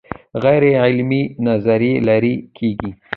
غیر عملي نظریې لرې کیږي.